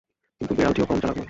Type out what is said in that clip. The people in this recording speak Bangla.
কিন্তু বিড়ালটিও কম চালাক নয়।